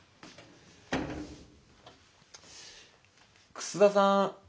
楠田さん